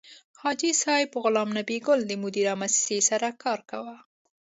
حاجي صیب غلام نبي ګل د مدیرا موسسې سره کار کاوه.